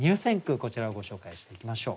こちらをご紹介していきましょう。